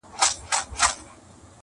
هم پخپله څاه کینو هم پکښي لوېږو!!